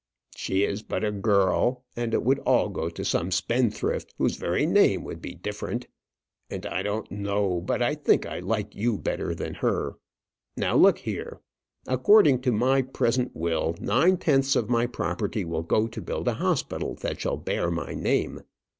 "She is but a girl; and it would all go to some spendthrift, whose very name would be different. And, I don't know, but I think I like you better than her. Look here now. According to my present will, nine tenths of my property will go to build a hospital that shall bear my name.